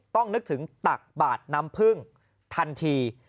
ต้องนึกถึงตักบาตน้ำผึ้งทันที